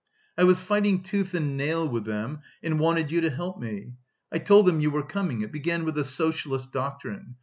I was fighting tooth and nail with them and wanted you to help me. I told them you were coming.... It began with the socialist doctrine.